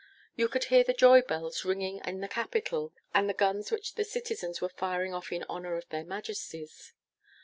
You could hear the joy bells ringing in the capital, and the guns which the citizens were firing off in honour of their Majesties.